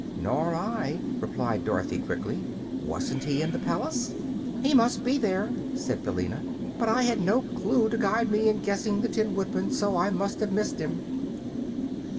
"Nor I," replied Dorothy, quickly. "Wasn't he in the palace?" "He must be there," said Billina; "but I had no clue to guide me in guessing the Tin Woodman, so I must have missed him."